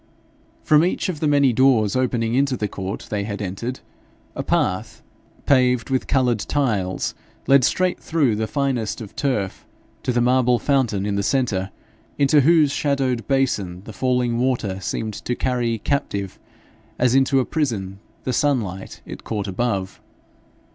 From each of the many doors opening into the court they had entered, a path, paved with coloured tiles, led straight through the finest of turf to the marble fountain in the centre, into whose shadowed basin the falling water seemed to carry captive as into a prison the sunlight it caught above.